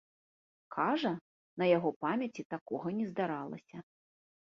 Кажа, на яго памяці такога не здаралася.